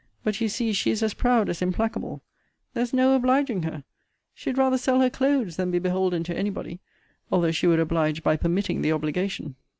But you see she is as proud as implacable. There's no obliging her. She'd rather sell her clothes than be beholden to any body, although she would oblige by permitting the obligation.